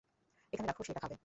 এখানে রাখো, সে এটা খাবে।